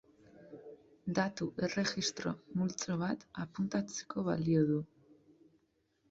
Datu erregistro multzo bat apuntatzeko balio du.